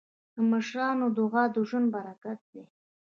د مشرانو دعا د ژوند برکت دی.